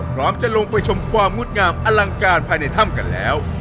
พร้อมจะลงไปชมความงดงามอลังการภายในถ้ำกันแล้ว